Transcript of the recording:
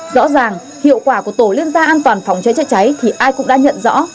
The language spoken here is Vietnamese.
rõ ràng hiệu quả của tổ liên gia an toàn phòng cháy chữa cháy thì ai cũng đã nhận rõ